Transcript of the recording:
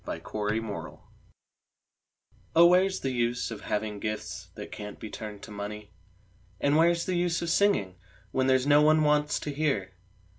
WHERE'S THE USE Oh, where's the use of having gifts that can't be turned to money? And where's the use of singing, when there's no one wants to hear?